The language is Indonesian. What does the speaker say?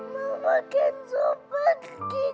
mama kenzo pergi